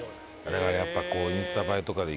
だからやっぱこうインスタ映えとかで行くのかな。